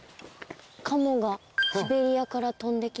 カモがシベリアから飛んできます。